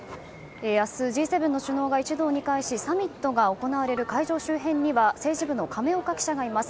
明日、Ｇ７の首脳が一堂に会しサミットが行われる会場周辺には政治部の亀岡記者がいます。